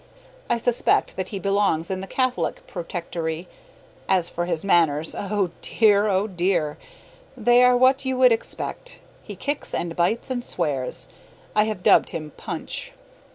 I suspect that he belongs in the Catholic Protectory. As for his manners oh dear! oh dear! They are what you would expect. He kicks and bites and swears. I have dubbed him Punch.